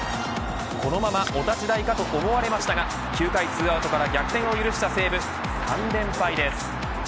このままお立ち台かと思われましたが９回２アウトから逆転を許した西武３連敗です。